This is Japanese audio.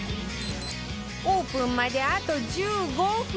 オープンまであと１５分！